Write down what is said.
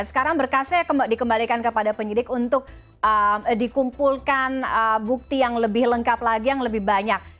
sekarang berkasnya dikembalikan kepada penyidik untuk dikumpulkan bukti yang lebih lengkap lagi yang lebih banyak